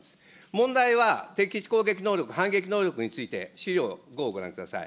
問題は、敵基地攻撃能力、反撃能力について、資料５をご覧ください。